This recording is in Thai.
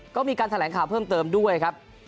ก็มีการแถลงข่าวเพิ่มเติมด้วยครับ